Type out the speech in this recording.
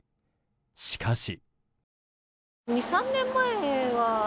しかし。